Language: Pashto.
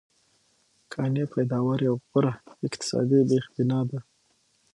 کانې پیداوار یې غوره اقتصادي بېخبنا ده.